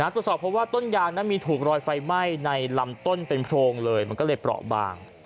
ตรวจสอบเพราะว่าต้นยางนั้นมีถูกรอยไฟไหม้ในลำต้นเป็นโพรงเลยมันก็เลยเปราะบาง